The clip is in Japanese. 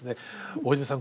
「大泉さん